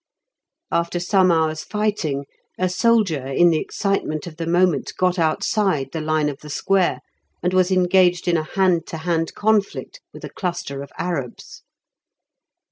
After some hours' fighting, a soldier in the excitement of the moment got outside the line of the square, and was engaged in a hand to hand conflict with a cluster of Arabs.